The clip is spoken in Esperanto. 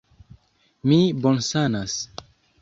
Mi bonsanas!